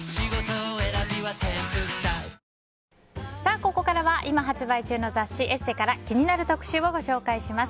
ここからは今発売中の雑誌「ＥＳＳＥ」から気になる特集をご紹介します。